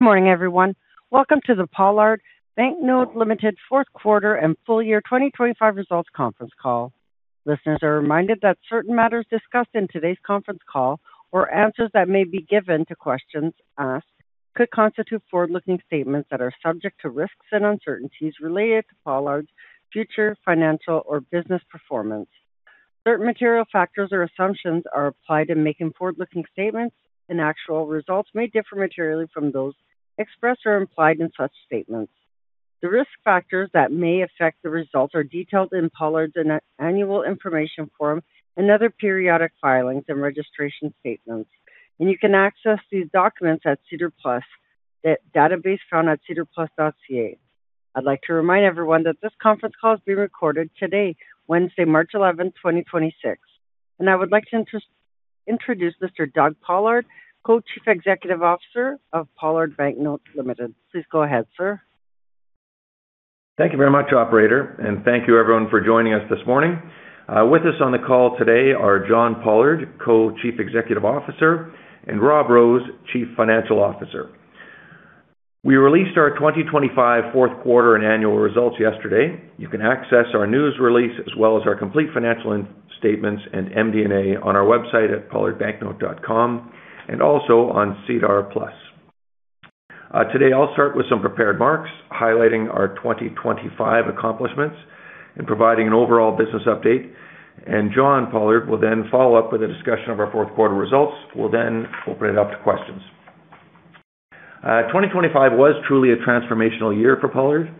Good morning, everyone. Welcome to the Pollard Banknote Limited fourth quarter and full year 2025 results conference call. Listeners are reminded that certain matters discussed in today's conference call or answers that may be given to questions asked could constitute forward-looking statements that are subject to risks and uncertainties related to Pollard's future financial or business performance. Certain material factors or assumptions are applied in making forward-looking statements, and actual results may differ materially from those expressed or implied in such statements. The risk factors that may affect the results are detailed in Pollard's annual information form and other periodic filings and registration statements. You can access these documents at SEDAR+ database found at sedarplus.ca. I'd like to remind everyone that this conference call is being recorded today, Wednesday, March 11, 2026. I would like to introduce Mr. Doug Pollard, Co-Chief Executive Officer of Pollard Banknote Limited. Please go ahead, sir. Thank you very much, operator, and thank you everyone for joining us this morning. With us on the call today are John Pollard, Co-Chief Executive Officer, and Rob Rose, Chief Financial Officer. We released our 2025 fourth quarter and annual results yesterday. You can access our news release as well as our complete financial statements and MD&A on our website at pollardbanknote.com and also on SEDAR+. Today I'll start with some prepared remarks highlighting our 2025 accomplishments and providing an overall business update, and John Pollard will then follow up with a discussion of our fourth quarter results. We'll then open it up to questions. 2025 was truly a transformational year for Pollard.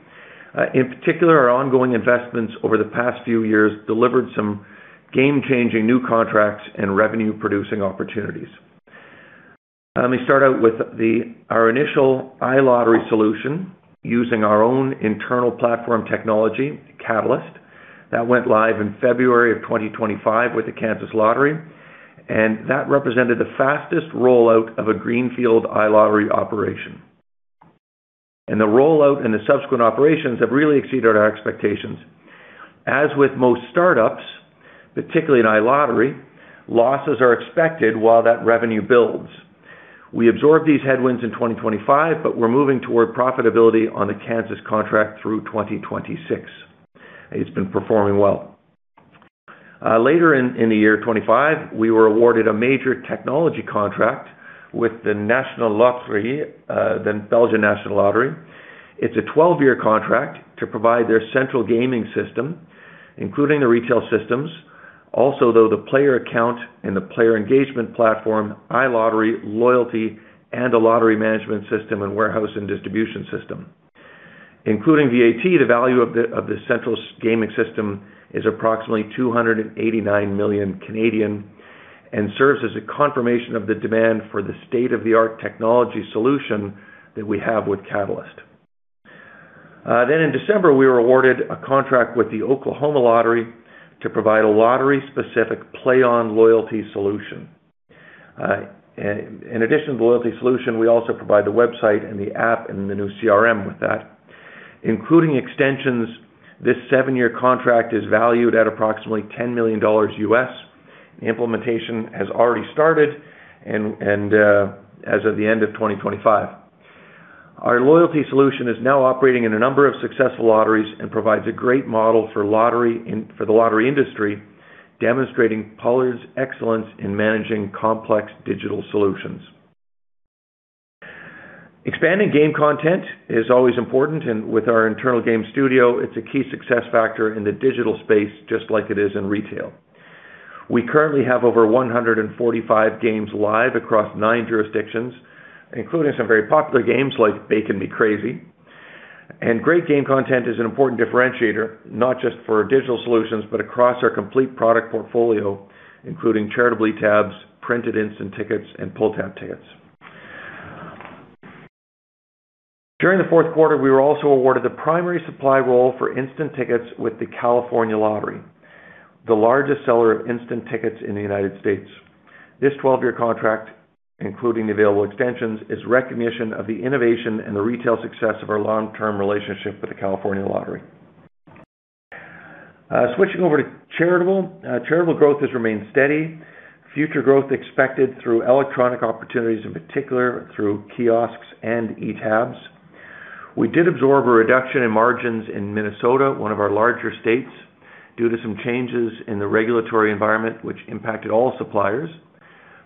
In particular, our ongoing investments over the past few years delivered some game-changing new contracts and revenue-producing opportunities. Let me start out with our initial iLottery solution using our own internal platform technology, Catalyst. That went live in February of 2025 with the Kansas Lottery, and that represented the fastest rollout of a greenfield iLottery operation. The rollout and the subsequent operations have really exceeded our expectations. As with most startups, particularly in iLottery, losses are expected while that revenue builds. We absorbed these headwinds in 2025, but we're moving toward profitability on the Kansas contract through 2026. It's been performing well. Later in the year 2025, we were awarded a major technology contract with the Nationale Loterij, the Belgian National Lottery. It's a 12-year contract to provide their central gaming system, including the retail systems. Also, though, the player account and the player engagement platform, iLottery, loyalty, and a lottery management system and warehouse and distribution system. Including VAT, the value of the central eGaming system is approximately 289 million and serves as a confirmation of the demand for the state-of-the-art technology solution that we have with Catalyst. Then in December, we were awarded a contract with the Oklahoma Lottery to provide a lottery-specific PlayOn loyalty solution. In addition to the loyalty solution, we also provide the website and the app and the new CRM with that. Including extensions, this seven-year contract is valued at approximately $10 million. Implementation has already started and as of the end of 2025. Our loyalty solution is now operating in a number of successful lotteries and provides a great model for the lottery industry, demonstrating Pollard's excellence in managing complex digital solutions. Expanding game content is always important. With our internal game studio, it's a key success factor in the digital space, just like it is in retail. We currently have over 145 games live across nine jurisdictions, including some very popular games like Bacon Me Crazy. Great game content is an important differentiator, not just for our digital solutions, but across our complete product portfolio, including charitable eTabs, printed instant tickets, and pull tab tickets. During the fourth quarter, we were also awarded the primary supply role for instant tickets with the California Lottery, the largest seller of instant tickets in the United States. This 12-year contract, including the available extensions, is recognition of the innovation and the retail success of our long-term relationship with the California Lottery. Switching over to charitable. Charitable growth has remained steady. Future growth expected through electronic opportunities, in particular through kiosks and eTabs. We did absorb a reduction in margins in Minnesota, one of our larger states, due to some changes in the regulatory environment which impacted all suppliers.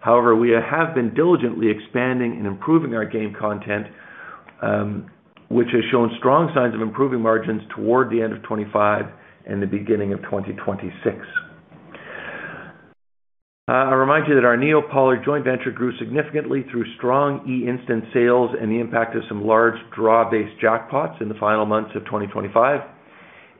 However, we have been diligently expanding and improving our game content, which has shown strong signs of improving margins toward the end of 2025 and the beginning of 2026. I remind you that our NeoPollard Interactive joint venture grew significantly through strong eInstant sales and the impact of some large draw-based jackpots in the final months of 2025.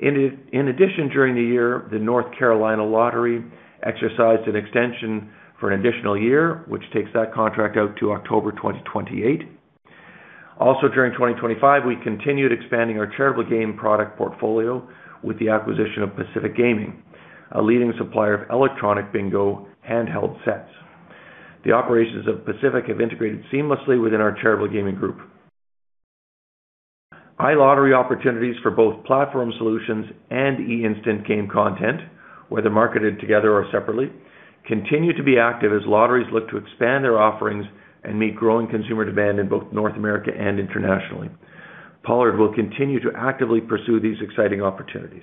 In addition, during the year, the North Carolina Education Lottery exercised an extension for an additional year, which takes that contract out to October 2028. Also, during 2025, we continued expanding our charitable game product portfolio with the acquisition of Pacific Gaming, a leading supplier of electronic bingo handheld sets. The operations of Pacific have integrated seamlessly within our charitable gaming group. iLottery opportunities for both platform solutions and eInstant game content, whether marketed together or separately, continue to be active as lotteries look to expand their offerings and meet growing consumer demand in both North America and internationally. Pollard will continue to actively pursue these exciting opportunities.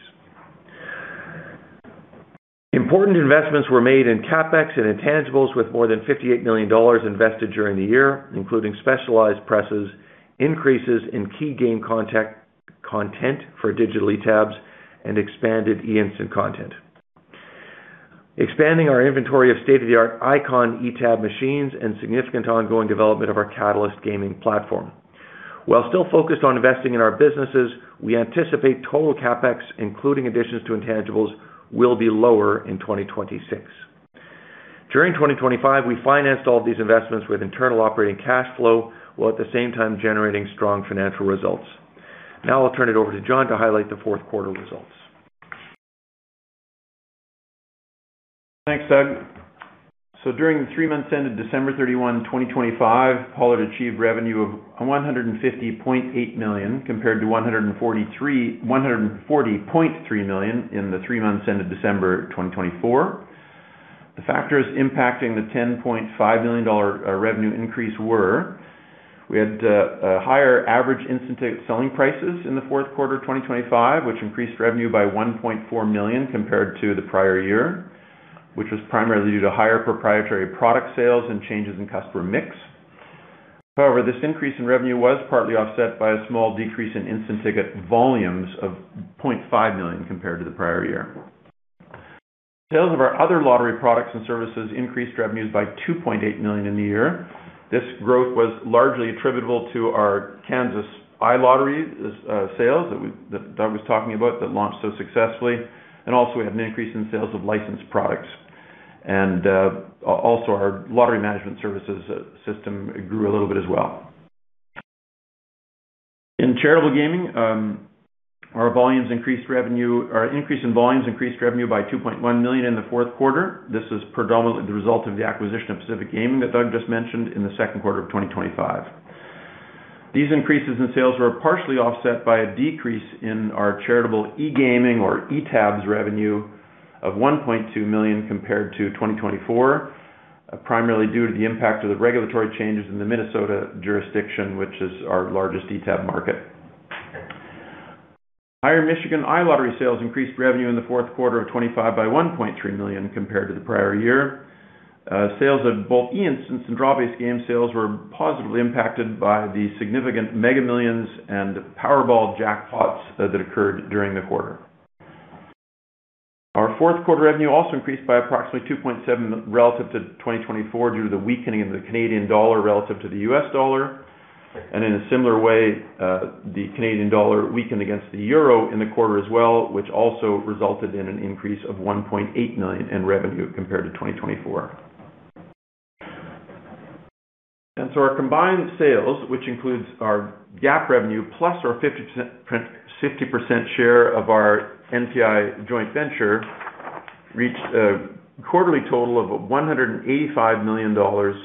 Important investments were made in CapEx and intangibles with more than 58 million dollars invested during the year, including specialized presses, increases in key game content for digital eTabs, and expanded eInstant content, expanding our inventory of state-of-the-art ICON eTab machines, and significant ongoing development of our Catalyst gaming platform. While still focused on investing in our businesses, we anticipate total CapEx, including additions to intangibles, will be lower in 2026. During 2025, we financed all of these investments with internal operating cash flow, while at the same time generating strong financial results. Now I'll turn it over to John to highlight the fourth quarter results. Thanks, Doug. During the three months ended December 31, 2025, Pollard achieved revenue of 150.8 million, compared to 140.3 million in the three months ended December 2024. The factors impacting the CAD 10.5 million revenue increase were. We had a higher average instant ticket selling prices in the fourth quarter of 2025, which increased revenue by 1.4 million compared to the prior year, which was primarily due to higher proprietary product sales and changes in customer mix. However, this increase in revenue was partly offset by a small decrease in instant ticket volumes of 0.5 million compared to the prior year. Sales of our other lottery products and services increased revenues by 2.8 million in the year. This growth was largely attributable to our Kansas iLottery sales that Doug was talking about that launched so successfully, and also we had an increase in sales of licensed products. Also our lottery management services system grew a little bit as well. In charitable gaming, our increase in volumes increased revenue by 2.1 million in the fourth quarter. This is predominantly the result of the acquisition of Pacific Gaming that Doug just mentioned in the second quarter of 2025. These increases in sales were partially offset by a decrease in our charitable eGaming or eTabs revenue of 1.2 million compared to 2024, primarily due to the impact of the regulatory changes in the Minnesota jurisdiction, which is our largest eTabs market. Higher Michigan iLottery sales increased revenue in the fourth quarter of 2025 by 1.3 million compared to the prior year. Sales of both instant and draw-based game sales were positively impacted by the significant Mega Millions and Powerball jackpots that occurred during the quarter. Our fourth quarter revenue also increased by approximately 2.7 million relative to 2024 due to the weakening of the Canadian dollar relative to the U.S. dollar. In a similar way, the Canadian dollar weakened against the euro in the quarter as well, which also resulted in an increase of 1.8 million in revenue compared to 2024. Our combined sales, which includes our GAAP revenue plus our 50% share of our NPI joint venture, reached a quarterly total of 185 million dollars,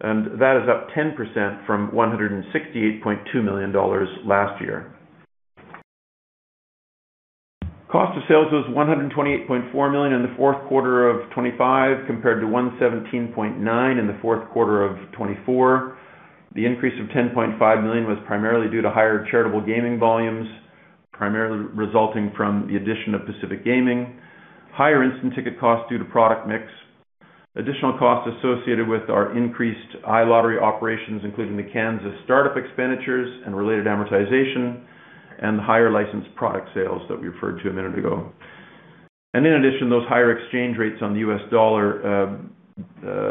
and that is up 10% from 168.2 million dollars last year. Cost of sales was 128.4 million in the fourth quarter of 2025, compared to 117.9 million in the fourth quarter of 2024. The increase of 10.5 million was primarily due to higher charitable gaming volumes, primarily resulting from the addition of Pacific Gaming, higher instant ticket costs due to product mix, additional costs associated with our increased iLottery operations, including the Kansas startup expenditures and related amortization, and the higher licensed product sales that we referred to a minute ago. In addition, those higher exchange rates on the U.S. dollar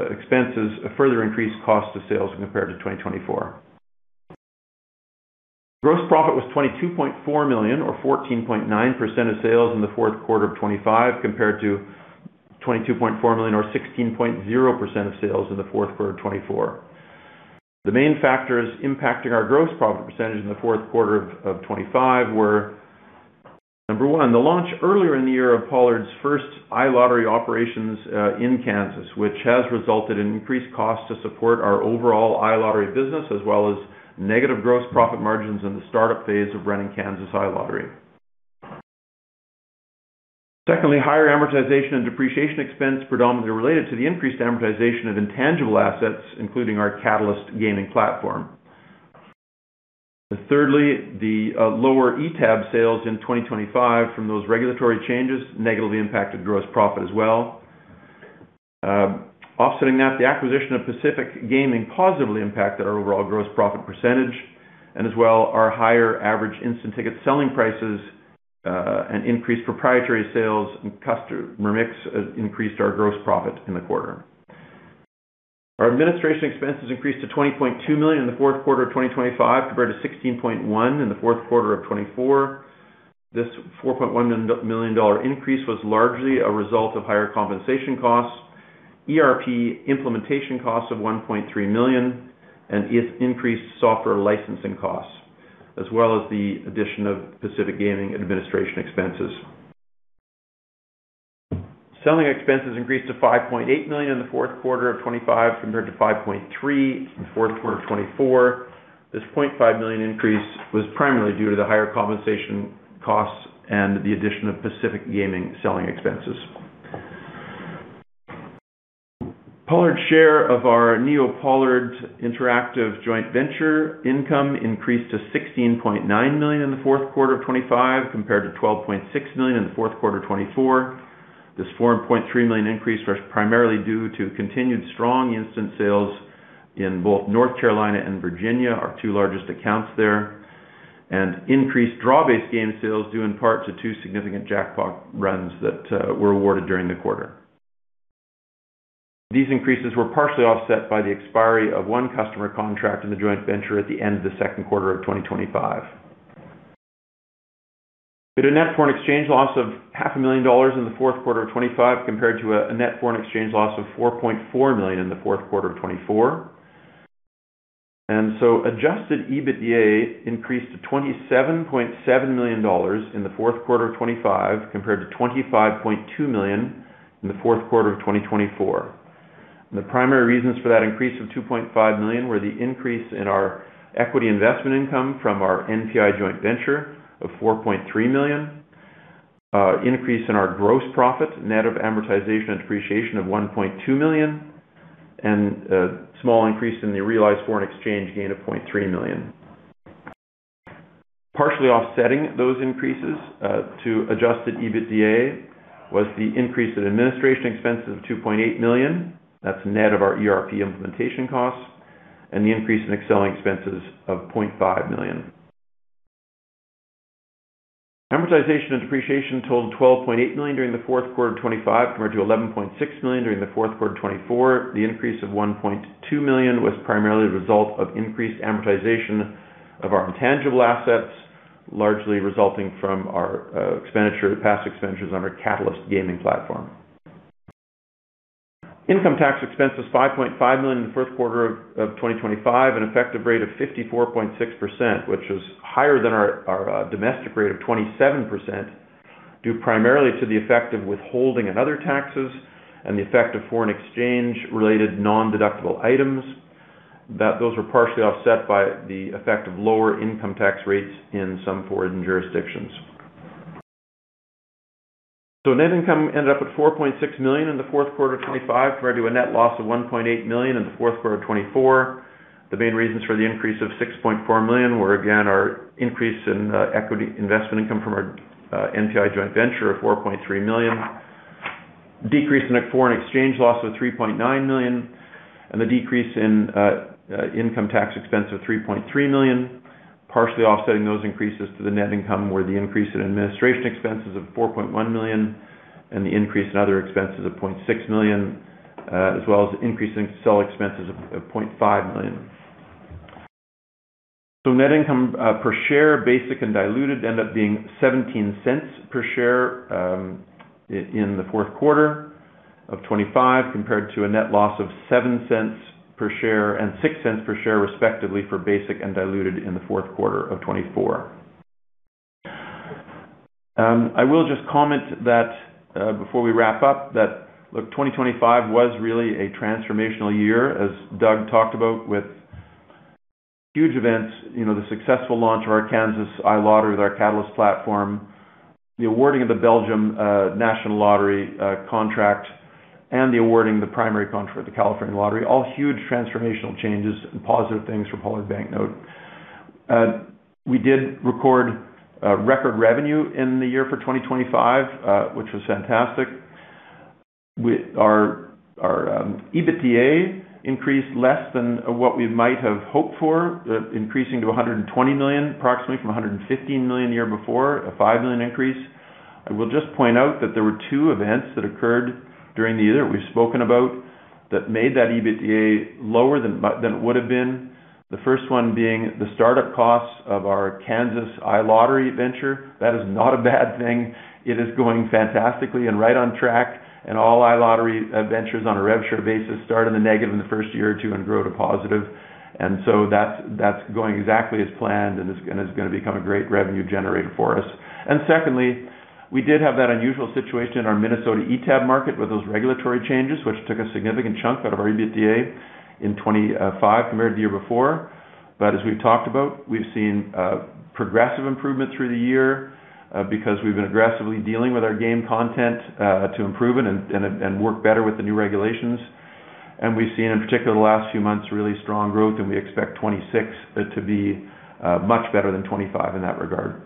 expenses further increased cost of sales compared to 2024. Gross profit was 22.4 million or 14.9% of sales in the fourth quarter of 2025, compared to 22.4 million or 16.0% of sales in the fourth quarter of 2024. The main factors impacting our gross profit percentage in the fourth quarter of 2025 were, number one, the launch earlier in the year of Pollard's first iLottery operations in Kansas, which has resulted in increased costs to support our overall iLottery business, as well as negative gross profit margins in the startup phase of running Kansas iLottery. Secondly, higher amortization and depreciation expense predominantly related to the increased amortization of intangible assets, including our Catalyst gaming platform. Thirdly, the lower eTab sales in 2025 from those regulatory changes negatively impacted gross profit as well. Offsetting that, the acquisition of Pacific Gaming positively impacted our overall gross profit percentage, and as well, our higher average instant ticket selling prices and increased proprietary sales and customer mix increased our gross profit in the quarter. Our administration expenses increased to 20.2 million in the fourth quarter of 2025, compared to 16.1 million in the fourth quarter of 2024. This 4.1 million dollar increase was largely a result of higher compensation costs, ERP implementation costs of 1.3 million, and increased software licensing costs, as well as the addition of Pacific Gaming administration expenses. Selling expenses increased to 5.8 million in the fourth quarter of 2025 compared to 5.3 million in the fourth quarter of 2024. This 0.5 million increase was primarily due to the higher compensation costs and the addition of Pacific Gaming selling expenses. Pollard's share of our NeoPollard Interactive joint venture income increased to 16.9 million in the fourth quarter of 2025 compared to 12.6 million in the fourth quarter of 2024. This 4.3 million increase was primarily due to continued strong instant sales in both North Carolina and Virginia, our two largest accounts there, and increased draw-based game sales due in part to two significant jackpot runs that were awarded during the quarter. These increases were partially offset by the expiry of one customer contract in the joint venture at the end of the second quarter of 2025. We had a net foreign exchange loss of 500 million dollars in the fourth quarter of 2025 compared to a net foreign exchange loss of 4.4 million in the fourth quarter of 2024. Adjusted EBITDA increased to CAD 27.7 million in the fourth quarter of 2025 compared to 25.2 million in the fourth quarter of 2024. The primary reasons for that increase of 2.5 million were the increase in our equity investment income from our NPI joint venture of 4.3 million, increase in our gross profit net of amortization and depreciation of 1.2 million, and a small increase in the realized foreign exchange gain of 0.3 million. Partially offsetting those increases to Adjusted EBITDA was the increase in administration expenses of 2.8 million. That's net of our ERP implementation costs, and the increase in selling expenses of 0.5 million. Amortization and depreciation totaled 12.8 million during the fourth quarter of 2025 compared to 11.6 million during the fourth quarter of 2024. The increase of 1.2 million was primarily the result of increased amortization of our intangible assets, largely resulting from our past expenditures on our Catalyst gaming platform. Income tax expense was 5.5 million in the first quarter of 2025, an effective rate of 54.6%, which is higher than our domestic rate of 27%, due primarily to the effect of withholding and other taxes and the effect of foreign exchange-related non-deductible items. Those were partially offset by the effect of lower income tax rates in some foreign jurisdictions. Net income ended up at 4.6 million in the fourth quarter of 2025 compared to a net loss of 1.8 million in the fourth quarter of 2024. The main reasons for the increase of 6.4 million were again, our increase in equity investment income from our NPI joint venture of 4.3 million, decrease in the foreign exchange loss of 3.9 million, and the decrease in income tax expense of 3.3 million. Partially offsetting those increases to the net income were the increase in administrative expenses of 4.1 million and the increase in other expenses of 0.6 million, as well as the increase in sales expenses of CAD 0.5 million. Net income per share, basic and diluted, end up being 0.17 per share in the fourth quarter of 2025 compared to a net loss of 0.07 per share and 0.06 per share respectively for basic and diluted in the fourth quarter of 2024. I will just comment that before we wrap up, look, 2025 was really a transformational year, as Doug talked about, with huge events. You know, the successful launch of our Kansas iLottery with our Catalyst platform, the awarding of the Belgian National Lottery contract, and the awarding of the primary contract with the California State Lottery, all huge transformational changes and positive things for Pollard Banknote. We did record record revenue in the year for 2025, which was fantastic. Our EBITDA increased less than what we might have hoped for, increasing to approximately 120 million from 115 million the year before, a 5 million increase. I will just point out that there were two events that occurred during the year we've spoken about that made that EBITDA lower than it would have been. The first one being the startup costs of our Kansas iLottery venture. That is not a bad thing. It is going fantastically and right on track. All iLottery ventures on a rev share basis start in the negative in the first year or two and grow to positive. That's going exactly as planned and is gonna become a great revenue generator for us. Secondly, we did have that unusual situation in our Minnesota eTab market with those regulatory changes, which took a significant chunk out of our EBITDA in 2025 compared to the year before. As we've talked about, we've seen progressive improvement through the year because we've been aggressively dealing with our game content to improve it and work better with the new regulations. We've seen in particular the last few months really strong growth, and we expect 2026 to be much better than 2025 in that regard.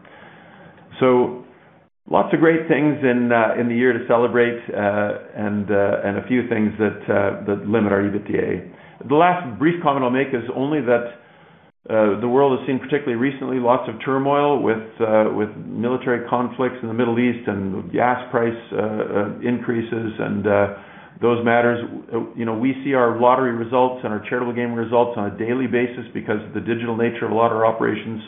Lots of great things in the year to celebrate, and a few things that limit our EBITDA. The last brief comment I'll make is only that the world has seen particularly recently lots of turmoil with military conflicts in the Middle East and gas price increases and those matters. You know, we see our lottery results and our charitable game results on a daily basis because of the digital nature of a lot of our operations.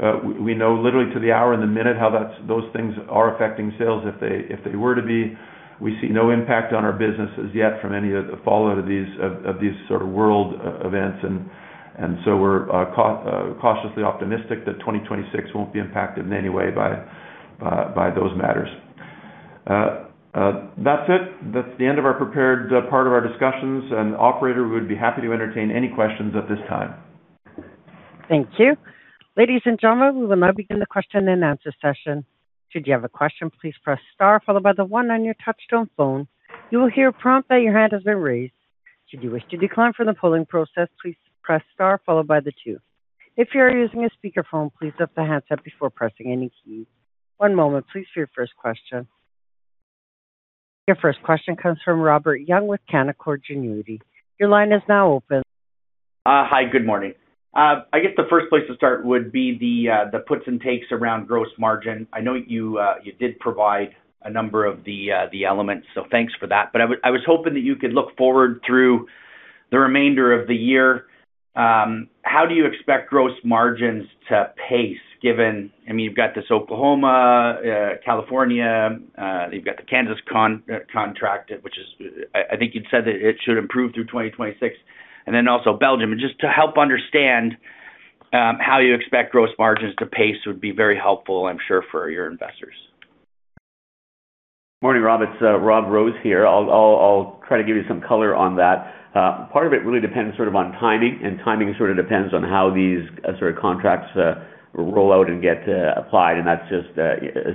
We know literally to the hour and the minute how those things are affecting sales if they were to be. We see no impact on our business as yet from any of the fallout of these sort of world events. We're cautiously optimistic that 2026 won't be impacted in any way by those matters. That's it. That's the end of our prepared part of our discussions. Operator, we would be happy to entertain any questions at this time. Thank you. Ladies and gentlemen, we will now begin the question-and-answer session. Should you have a question, please press Star followed by the one on your touchtone phone. You will hear a prompt that your hand has been raised. Should you wish to decline from the polling process, please press star followed by the two. If you are using a speakerphone, please lift the handset before pressing any keys. One moment, please, for your first question. Your first question comes from Robert Young with Canaccord Genuity. Your line is now open. Hi, good morning. I guess the first place to start would be the puts and takes around gross margin. I know you did provide a number of the elements, so thanks for that. I was hoping that you could look forward through the remainder of the year. How do you expect gross margins to pace given I mean, you've got this Oklahoma, California, you've got the Kansas contract, which I think you'd said that it should improve through 2026 and then also Belgium. Just to help understand how you expect gross margins to pace would be very helpful, I'm sure, for your investors. Morning, Rob, it's Rob Rose here. I'll try to give you some color on that. Part of it really depends sort of on timing, and timing sort of depends on how these sort of contracts roll out and get applied, and that's just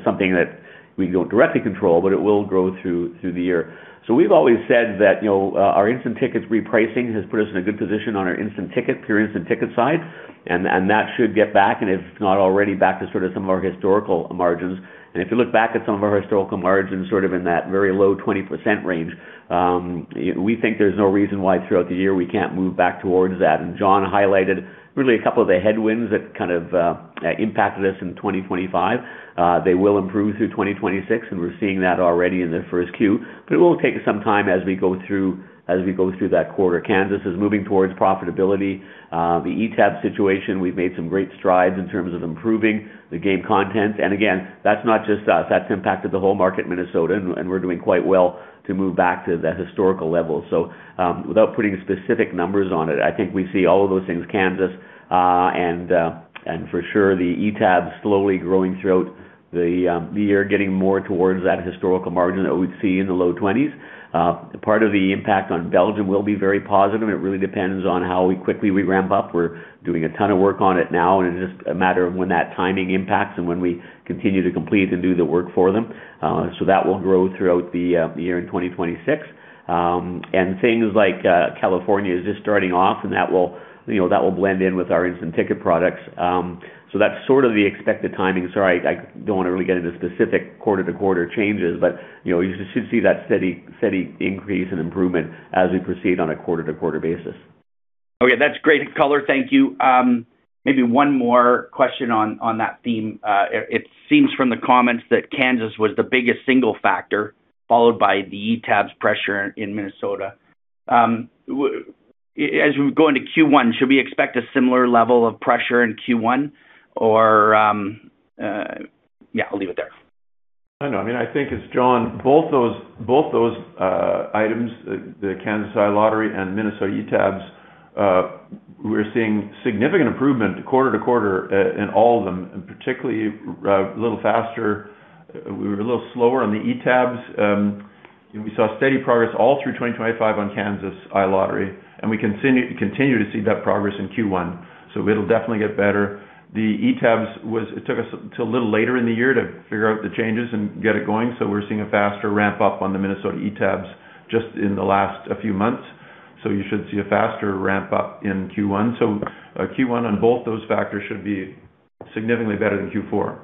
something that we don't directly control, but it will grow through the year. We've always said that, you know, our instant tickets repricing has put us in a good position on our instant ticket, pure instant ticket side. That should get back, and if not already back to sort of some of our historical margins. If you look back at some of our historical margins, sort of in that very low 20% range, we think there's no reason why throughout the year we can't move back towards that. John highlighted really a couple of the headwinds that kind of impacted us in 2025. They will improve through 2026, and we're seeing that already in the first Q. But it will take some time as we go through that quarter. Kansas is moving towards profitability. The eTab situation, we've made some great strides in terms of improving the game content. Again, that's not just us, that's impacted the whole market, Minnesota, and we're doing quite well to move back to the historical level. Without putting specific numbers on it, I think we see all of those things, Kansas, and for sure, the eTab slowly growing throughout the year, getting more towards that historical margin that we'd see in the low 20s%. Part of the impact on Belgium will be very positive, and it really depends on how quickly we ramp up. We're doing a ton of work on it now, and it's just a matter of when that timing impacts and when we continue to complete and do the work for them. That will grow throughout the year in 2026. Things like California are just starting off, and that will, you know, that will blend in with our instant ticket products. That's sort of the expected timing. Sorry, I don't want to really get into specific quarter-to-quarter changes, but, you know, you should see that steady increase and improvement as we proceed on a quarter-to-quarter basis. Okay, that's great color. Thank you. Maybe one more question on that theme. It seems from the comments that Kansas was the biggest single factor, followed by the eTab's pressure in Minnesota. As we go into Q1, should we expect a similar level of pressure in Q1? Yeah, I'll leave it there. I know. I mean, I think as John, both those items, the Kansas iLottery and Minnesota eTabs, we're seeing significant improvement quarter-over-quarter in all of them, and particularly a little faster. We were a little slower on the eTabs. We saw steady progress all through 2025 on Kansas iLottery, and we continue to see that progress in Q1. It'll definitely get better. The eTabs was. It took us till a little later in the year to figure out the changes and get it going. We're seeing a faster ramp-up on the Minnesota eTabs just in the last few months. You should see a faster ramp-up in Q1. Q1 on both those factors should be significantly better than Q4.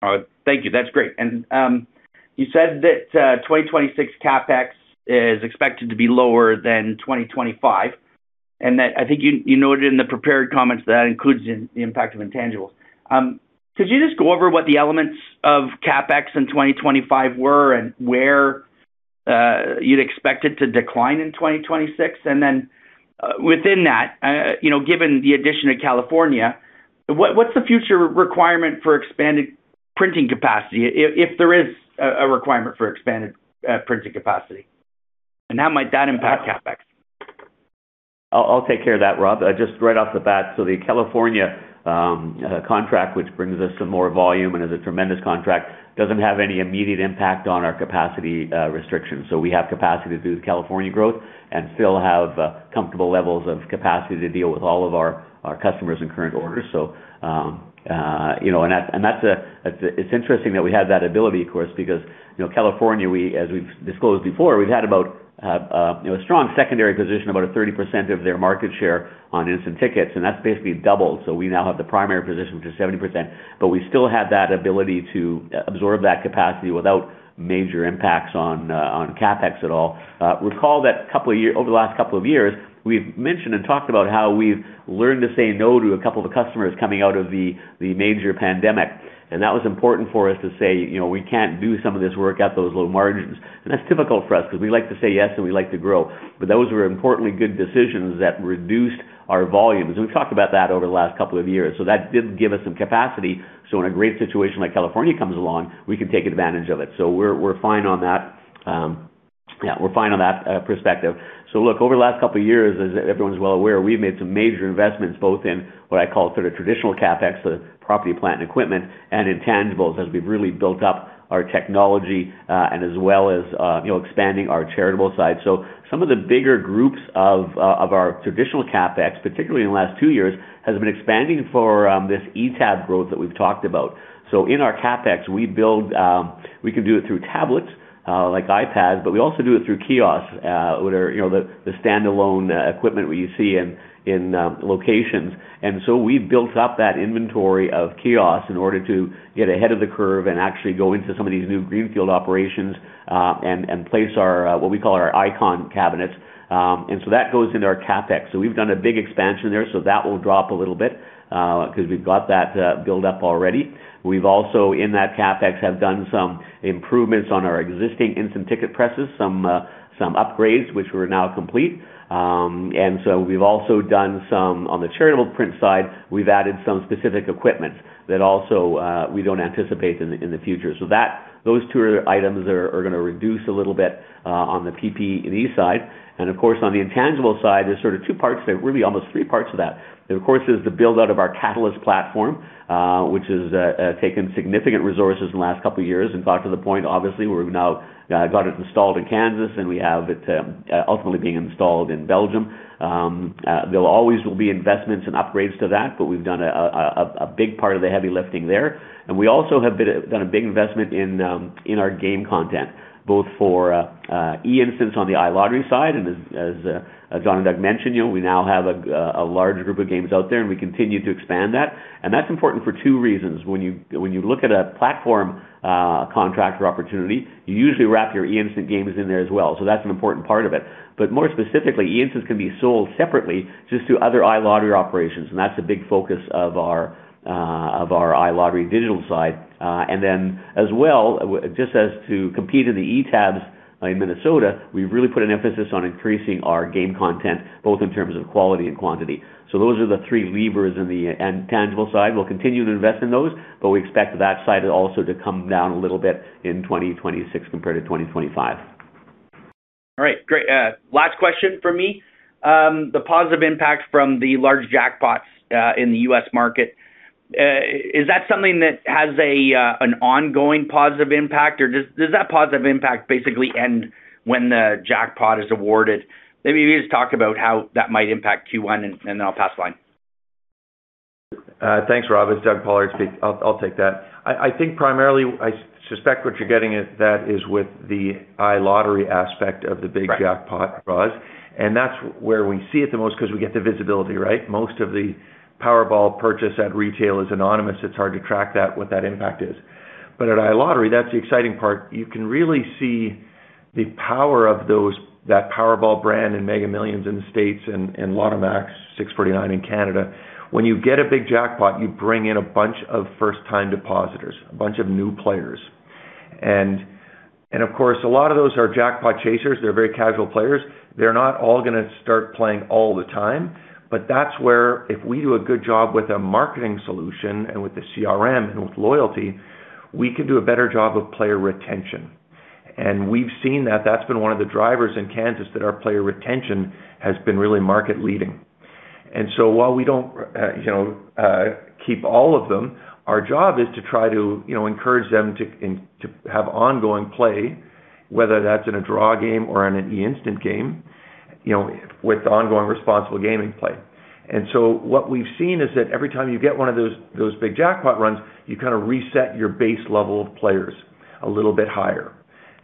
All right. Thank you. That's great. You said that 2026 CapEx is expected to be lower than 2025, and that I think you noted in the prepared comments that includes the impact of intangibles. Could you just go over what the elements of CapEx in 2025 were and where you'd expect it to decline in 2026? Then, within that, you know, given the addition of California, what's the future requirement for expanded printing capacity, if there is a requirement for expanded printing capacity? How might that impact CapEx? I'll take care of that, Rob. Just right off the bat. The California contract, which brings us some more volume and is a tremendous contract, doesn't have any immediate impact on our capacity restrictions. We have capacity to do the California growth and still have comfortable levels of capacity to deal with all of our customers and current orders. You know, and that's interesting that we have that ability, of course, because, you know, California, as we've disclosed before, we've had about a strong secondary position, about 30% of their market share on instant tickets, and that's basically doubled. We now have the primary position, which is 70%. We still have that ability to absorb that capacity without major impacts on CapEx at all. Recall that over the last couple of years, we've mentioned and talked about how we've learned to say no to a couple of customers coming out of the major pandemic. That was important for us to say, you know, we can't do some of this work at those low margins. That's difficult for us because we like to say yes, and we like to grow. Those were importantly good decisions that reduced our volumes. We've talked about that over the last couple of years. That did give us some capacity. When a great situation like California comes along, we can take advantage of it. We're fine on that. Yeah, we're fine on that perspective. Look, over the last couple of years, as everyone's well aware, we've made some major investments, both in what I call sort of traditional CapEx, the property, plant, and equipment, and intangibles, as we've really built up our technology, and as well as, you know, expanding our charitable side. Some of the bigger groups of our traditional CapEx, particularly in the last two years, has been expanding for this eTab growth that we've talked about. In our CapEx, we can do it through tablets, like iPad, but we also do it through kiosks, where, you know, the standalone equipment you see in locations. We've built up that inventory of kiosks in order to get ahead of the curve and actually go into some of these new greenfield operations and place our what we call our ICON cabinets. That goes into our CapEx. We've done a big expansion there. That will drop a little bit 'cause we've got that build up already. We've also, in that CapEx, have done some improvements on our existing instant ticket presses, some upgrades, which we're now complete. We've also done some on the charitable print side, we've added some specific equipment that also we don't anticipate in the future. Those two items are gonna reduce a little bit on the PPE side. Of course, on the intangible side, there's sort of two parts. There are really almost three parts to that. There is, of course, the build-out of our Catalyst platform, which has taken significant resources in the last couple of years. Got to the point, obviously, where we've now got it installed in Kansas, and we have it ultimately being installed in Belgium. There always will be investments and upgrades to that, but we've done a big part of the heavy lifting there. We also have done a big investment in our game content, both for instant on the iLottery side. As John and Doug mentioned, you know, we now have a large group of games out there, and we continue to expand that. That's important for two reasons. When you look at a platform contract or opportunity, you usually wrap your instant games in there as well. That's an important part of it. More specifically, instants can be sold separately just to other iLottery operations, and that's a big focus of our iLottery digital side. Just to compete in the eTabs in Minnesota, we've really put an emphasis on increasing our game content, both in terms of quality and quantity. Those are the three levers in the intangible side. We'll continue to invest in those, but we expect that side also to come down a little bit in 2026 compared to 2025. All right. Great. Last question from me. The positive impact from the large jackpots in the U.S. market is that something that has an ongoing positive impact, or does that positive impact basically end when the jackpot is awarded? Maybe just talk about how that might impact Q1, and then I'll pass the line. Thanks, Rob. It's Doug Pollard here. I'll take that. I think primarily I suspect what you're getting at that is with the iLottery aspect of the big Right. Jackpot prize. That's where we see it the most 'cause we get the visibility, right? Most of the Powerball purchase at retail is anonymous. It's hard to track that, what that impact is. At iLottery, that's the exciting part. You can really see the power of those, that Powerball brand and Mega Millions in the States and Lotto Max, 6/49 in Canada. When you get a big jackpot, you bring in a bunch of first-time depositors, a bunch of new players. Of course, a lot of those are jackpot chasers. They're very casual players. They're not all gonna start playing all the time. That's where if we do a good job with a marketing solution and with the CRM and with loyalty, we can do a better job of player retention. We've seen that that's been one of the drivers in Kansas, that our player retention has been really market leading. While we don't, you know, keep all of them, our job is to try to, you know, encourage them to have ongoing play, whether that's in a draw game or in an eInstant game, you know, with ongoing responsible gaming play. What we've seen is that every time you get one of those big jackpot runs, you kinda reset your base level of players a little bit higher.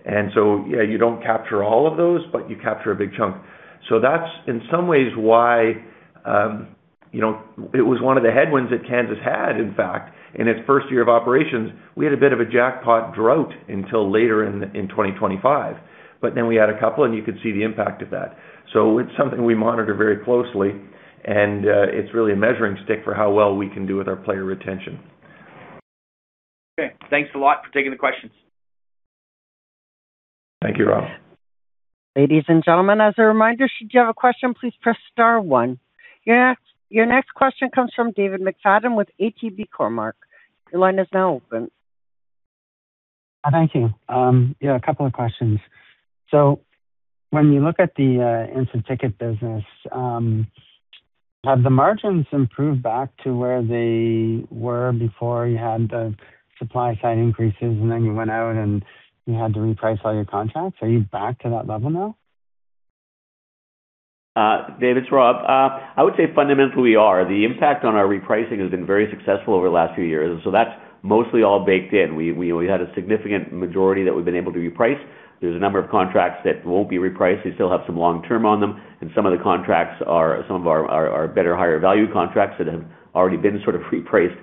Yeah, you don't capture all of those, but you capture a big chunk. That's in some ways why, you know, it was one of the headwinds that Kansas had, in fact. In its first year of operations, we had a bit of a jackpot drought until later in 2025. Then we had a couple, and you could see the impact of that. It's something we monitor very closely, and it's really a measuring stick for how well we can do with our player retention. Okay, thanks a lot for taking the questions. Thank you, Rob. Ladies and gentlemen, as a reminder, should you have a question, please press star one. Your next question comes from David McFadgen with Cormark Securities. Your line is now open. Thank you. Yeah, a couple of questions. When you look at the instant ticket business, have the margins improved back to where they were before you had the supply side increases, and then you went out and you had to reprice all your contracts? Are you back to that level now? David, it's Rob. I would say fundamentally, we are. The impact on our repricing has been very successful over the last few years, and so that's mostly all baked in. We had a significant majority that we've been able to reprice. There's a number of contracts that won't be repriced. We still have some long-term on them, and some of the contracts are some of our better, higher value contracts that have already been sort of repriced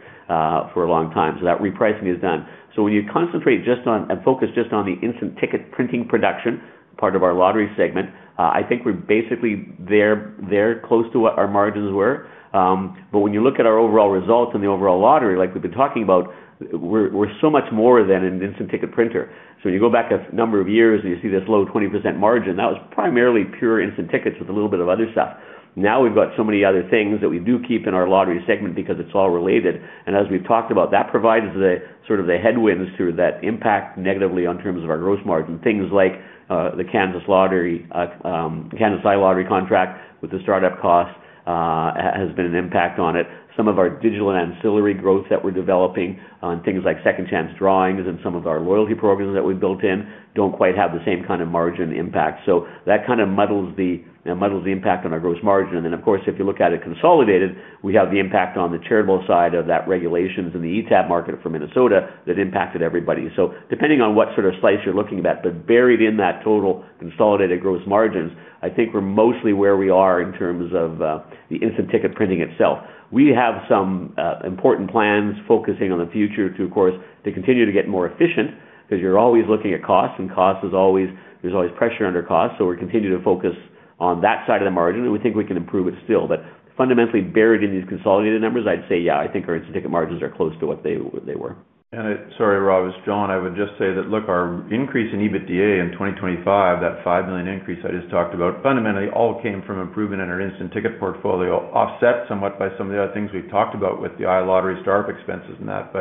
for a long time. That repricing is done. When you concentrate just on and focus just on the instant ticket printing production part of our lottery segment, I think we're basically there close to what our margins were. When you look at our overall results and the overall lottery, like we've been talking about, we're so much more than an instant ticket printer. You go back a number of years and you see this low 20% margin. That was primarily pure instant tickets with a little bit of other stuff. Now, we've got so many other things that we do keep in our lottery segment because it's all related. And as we've talked about, that provides sort of the headwinds to that impact negatively on terms of our gross margin. Things like the Kansas Lottery, Kansas iLottery contract with the startup cost has been an impact on it. Some of our digital ancillary growth that we're developing on things like second chance drawings and some of our loyalty programs that we've built in don't quite have the same kind of margin impact. That kind of muddles the impact on our gross margin. Of course, if you look at it consolidated, we have the impact on the charitable side of those regulations in the eTab market for Minnesota that impacted everybody. Depending on what sort of slice you're looking at. Buried in that total consolidated gross margins, I think we're mostly where we are in terms of the instant ticket printing itself. We have some important plans focusing on the future to, of course, to continue to get more efficient, 'cause you're always looking at cost, and cost is always. There's always pressure under cost. We're continuing to focus on that side of the margin, and we think we can improve it still. Fundamentally, buried in these consolidated numbers, I'd say yeah, I think our instant ticket margins are close to what they were. Sorry, Rob, it's John. I would just say that, look, our increase in EBITDA in 2025, that 5 million increase I just talked about, fundamentally all came from improvement in our instant ticket portfolio, offset somewhat by some of the other things we've talked about with the iLottery startup expenses and that.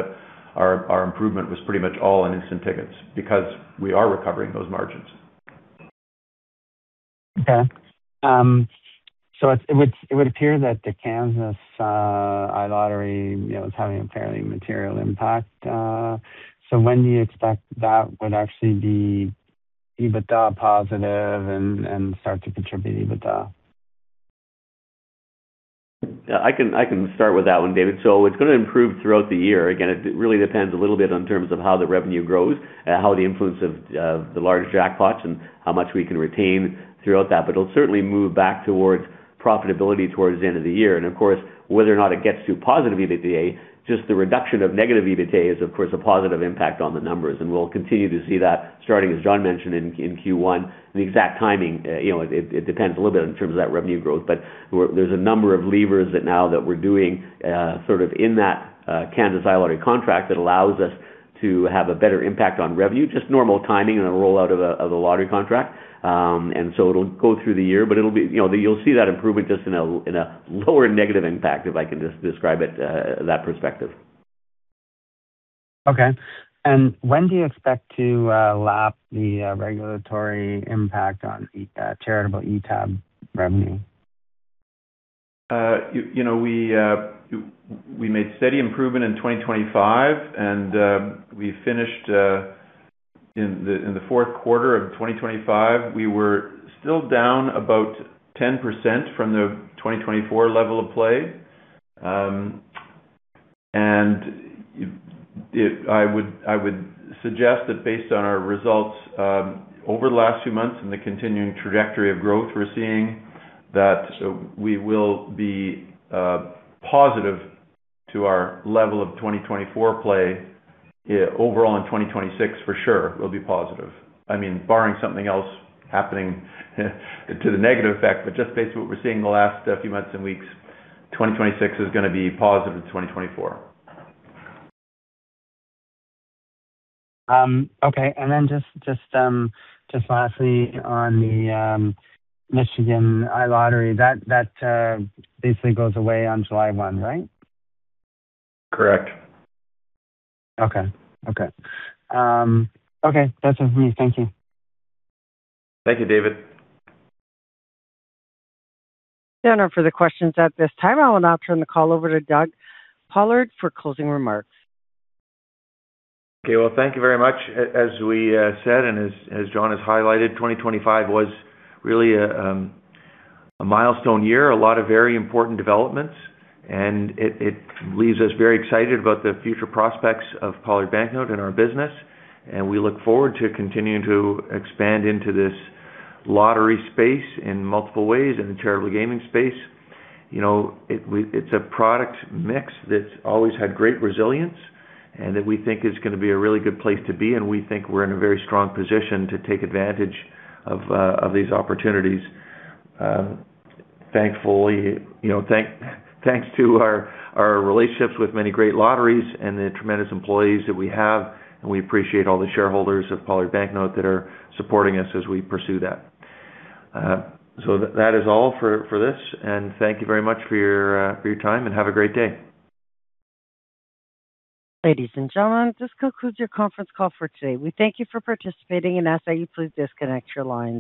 Our improvement was pretty much all in instant tickets because we are recovering those margins. It would appear that the Kansas iLottery, you know, is having a fairly material impact. When do you expect that would actually be EBITDA positive and start to contribute EBITDA? Yeah, I can start with that one, David. It's gonna improve throughout the year. Again, it really depends a little bit in terms of how the revenue grows and how the influence of the large jackpots and how much we can retain throughout that. It'll certainly move back towards profitability towards the end of the year. Of course, whether or not it gets to positive EBITDA, just the reduction of negative EBITDA is, of course, a positive impact on the numbers. We'll continue to see that starting, as John mentioned, in Q1. The exact timing, you know, it depends a little bit in terms of that revenue growth. There's a number of levers that now that we're doing sort of in that Kansas iLottery contract that allows us to have a better impact on revenue. Just normal timing in the rollout of a lottery contract. It'll go through the year, but it'll be, you know, you'll see that improvement just in a lower negative impact, if I can just describe it, that perspective. Okay. When do you expect to lap the regulatory impact on charitable eTab revenue? You know, we made steady improvement in 2025 and we finished in the fourth quarter of 2025. We were still down about 10% from the 2024 level of play. I would suggest that based on our results over the last few months and the continuing trajectory of growth we're seeing that we will be positive to our level of 2024 play overall in 2026, for sure, we'll be positive. I mean, barring something else happening to the negative effect. Just based on what we're seeing the last few months and weeks, 2026 is gonna be positive in 2024. Okay. Just lastly on the Michigan iLottery, that basically goes away on July 1, right? Correct. Okay. That's it for me. Thank you. Thank you, David. That's all for the questions at this time. I will now turn the call over to Doug Pollard for closing remarks. Okay. Well, thank you very much. As we said and as John has highlighted, 2025 was really a milestone year. A lot of very important developments, and it leaves us very excited about the future prospects of Pollard Banknote and our business, and we look forward to continuing to expand into this lottery space in multiple ways, in the charitable gaming space. You know, it's a product mix that's always had great resilience and that we think is gonna be a really good place to be. We think we're in a very strong position to take advantage of these opportunities. Thankfully, you know, thanks to our relationships with many great lotteries and the tremendous employees that we have, and we appreciate all the shareholders of Pollard Banknote that are supporting us as we pursue that. That is all for this. Thank you very much for your time, and have a great day. Ladies and gentlemen, this concludes your conference call for today. We thank you for participating and ask that you please disconnect your lines.